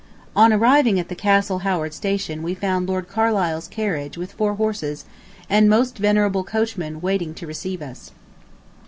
On arriving at the Castle Howard station we found Lord Carlisle's carriage with four horses and most venerable coachman waiting to receive us.